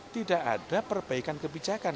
tidak ada perbaikan kebijakan